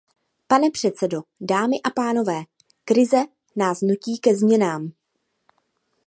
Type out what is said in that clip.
Pane předsedo, dámy a pánové, krize nás nutí ke změnám.